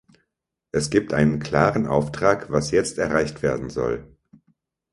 Es gibt einen klaren Auftrag, was jetzt erreicht werden soll.